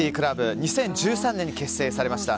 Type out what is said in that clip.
２０１３年に結成されました。